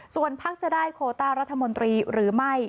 ส่วนพักจะได้โคต้ารัฐมนตรีหรือไม่